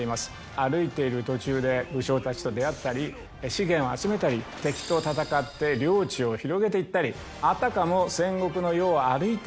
歩いている途中で武将たちと出会ったり資源を集めたり敵と戦って領地を広げていったりあたかも。